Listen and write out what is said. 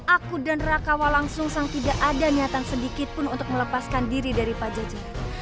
aku dan rakawa langsung sang tidak ada niatan sedikit pun untuk melepaskan diri dari pajajian